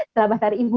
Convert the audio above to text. selamat hari ibu